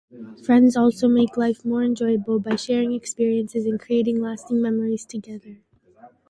Friends also make life more enjoyable by sharing experiences and creating lasting memories together.